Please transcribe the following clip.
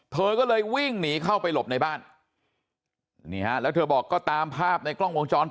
เธอก็เลยวิ่งหนีเข้าไปหลบในบ้านนี่ฮะแล้วเธอบอกก็ตามภาพในกล้องวงจร